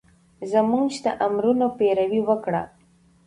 زمونږ د امرونو پېروي وکړه